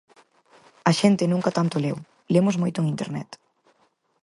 A xente nunca tanto leu: lemos moito en Internet.